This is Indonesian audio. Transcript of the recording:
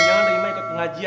jangan rima ikut pengajian